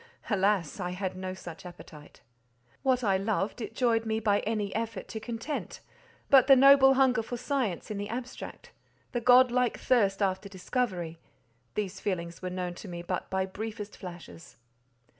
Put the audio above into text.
Alas! I had no such appetite. What I loved, it joyed me by any effort to content; but the noble hunger for science in the abstract—the godlike thirst after discovery—these feelings were known to me but by briefest flashes.